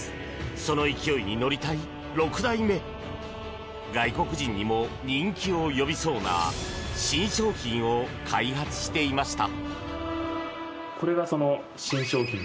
その勢いに乗りたい６代目外国人にも人気を呼びそうな新商品を開発していました。